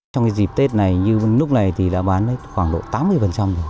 trong dịp tết này như lúc này thì đã bán khoảng độ tám mươi